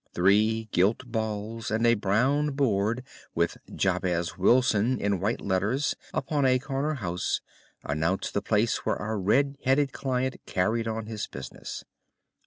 Three gilt balls and a brown board with "JABEZ WILSON" in white letters, upon a corner house, announced the place where our red headed client carried on his business.